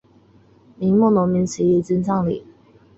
明末农民起义军将领。